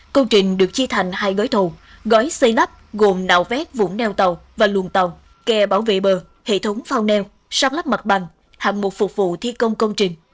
công trình được chia thành hai gói thầu gói xây lắp gồm nạo vét vũng neo tàu và luồng tàu kè bảo vệ bờ hệ thống phao neo sắp lắp mặt bằng hạng mục phục vụ thi công công trình